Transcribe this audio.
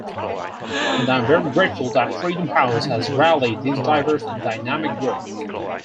And I'm very grateful that Freedom House has rallied this diverse and dynamic group.